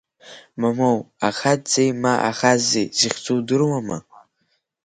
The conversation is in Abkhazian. Мамоу, Ахаӡӡеи ма Ахаззеи зыхьӡу удыруама?